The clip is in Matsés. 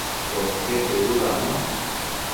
Podquied dëdudacno